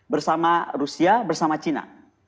bersama rusia bersama china